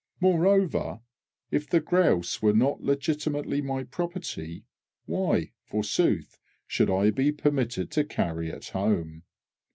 Moreover, if the grouse were not legitimately my property, why, forsooth, should I be permitted to carry it home?